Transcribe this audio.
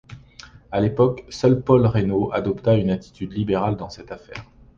À l’époque, seul Paul Reynaud adopta une attitude libérale dans cette affaire.